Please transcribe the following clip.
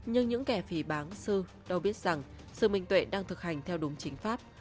nhưng những kẻ phì bán sư đâu biết rằng sự minh tuệ đang thực hành theo đúng chính pháp